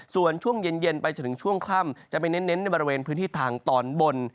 ส่วนช่วงเย็นไปจนถึงช่วงค่ำจะไปเน้นในบริเวณพื้นที่ทางตอนบน